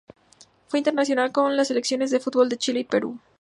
Fue internacional con las selecciones de fútbol de Chile y Perú.